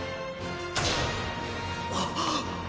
あっ！